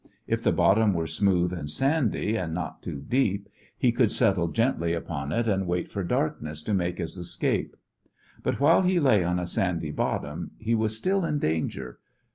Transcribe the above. If the bottom were smooth and sandy, and not too deep, he could settle gently upon it and wait for darkness, to make his escape. But while he lay on a sandy bottom, he was still in danger.